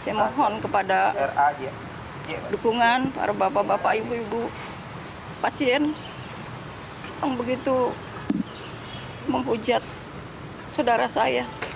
saya mohon kepada dukungan para bapak bapak ibu ibu pasien yang begitu menghujat saudara saya